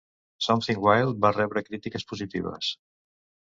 "Something Wild" va rebre crítiques positives.